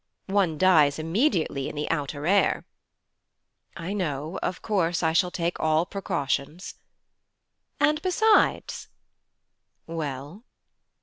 One dies immediately in the outer air.' 'I know; of course I shall take all precautions.' 'And besides ' 'Well?'